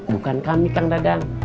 bukan kami kang dadang